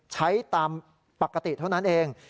ใช้ตามปกติเท่านั้นเอง